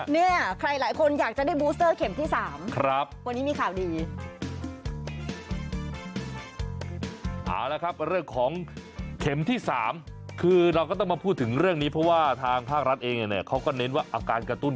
เนี่ยใครหลายคนอยากจะได้บูสเตอร์เข็มที่๓วันนี้มีข่าวดี